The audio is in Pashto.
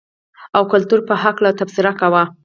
او کلتور په حقله تبصره کوو.